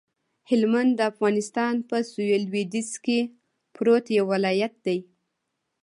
هلمند د افغانستان په سویل لویدیځ کې پروت یو ولایت دی